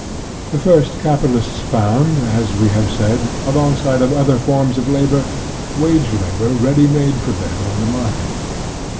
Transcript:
The first capitalists found, as we have said, alongside of other forms of labor, wage labor ready made for them on the market.